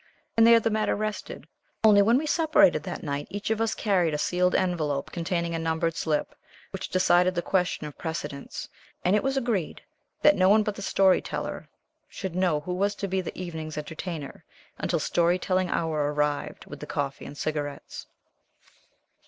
And there the matter rested. Only, when we separated that night, each of us carried a sealed envelope containing a numbered slip, which decided the question of precedence, and it was agreed that no one but the story teller should know who was to be the evening's entertainer, until story telling hour arrived with the coffee and cigarettes.